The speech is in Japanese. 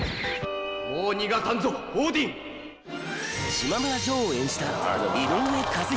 島村ジョーを演じた井上和彦。